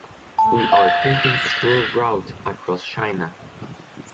We are taking the slow route across China.